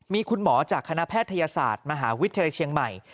มีคุณหมอจากคณะแพทยศาสตร์มหาวิทยาลัยเชียงใหม่